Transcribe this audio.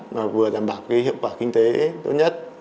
và vừa đảm bảo cái hiệu quả kinh tế tốt nhất